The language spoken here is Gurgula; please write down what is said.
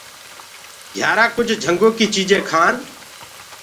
گھيآرآ ڪُج جھِنگو ڪي چيجينٚ کآن۔